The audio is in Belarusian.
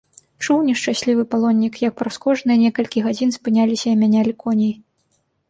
Чуў нешчаслівы палоннік, як праз кожныя некалькі гадзін спыняліся і мянялі коней.